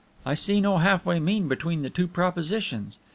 I see no half way mean between the two propositions.